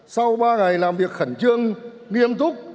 sau ba ngày làm việc khẩn trương nghiêm túc